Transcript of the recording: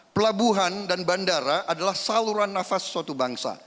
pelabuhan dan bandara adalah saluran nafas suatu bangsa